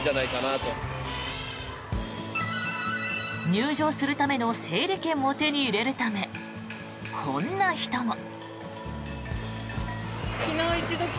入場するための整理券を手に入れるためこんな人も。